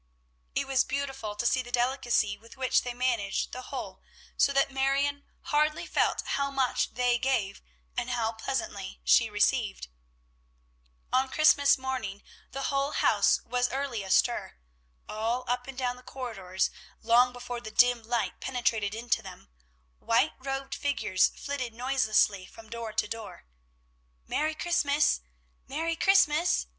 It was beautiful to see the delicacy with which they managed the whole, so that Marion hardly felt how much they gave, and how pleasantly she received. On Christmas morning the whole house was early astir. All up and down the corridors, long before the dim light penetrated into them, white robed figures flitted noiselessly from door to door. "Merry Christmas! Merry Christmas!"